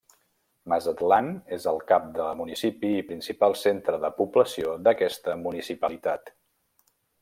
Mazatlán és el cap de municipi i principal centre de població d'aquesta municipalitat.